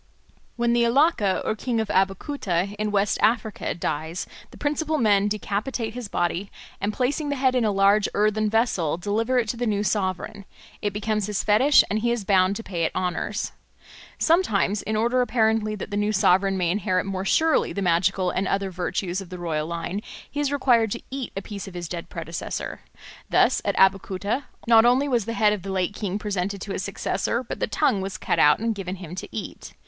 When the Alake or king of Abeokuta in West Africa dies, the principal men decapitate his body, and placing the head in a large earthen vessel deliver it to the new sovereign; it becomes his fetish and he is bound to pay it honours. Sometimes, in order apparently that the new sovereign may inherit more surely the magical and other virtues of the royal line, he is required to eat a piece of his dead predecessor. Thus at Abeokuta not only was the head of the late king presented to his successor, but the tongue was cut out and given him to eat.